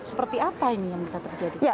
seperti apa ini yang bisa terjadi